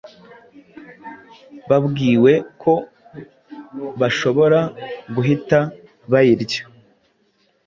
babwiwe ko bashobora guhita bayirya,